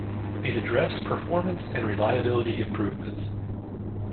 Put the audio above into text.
It addressed performance and reliability improvements.